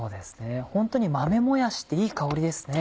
ホントに豆もやしっていい香りですね。